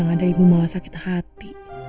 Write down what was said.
ada ibu malah sakit hati